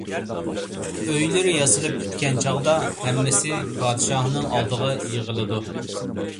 ئۆيلىرى ياسىلىپ پۈتكەن چاغدا، ھەممىسى پادىشاھنىڭ ئالدىغا يىغىلىدۇ.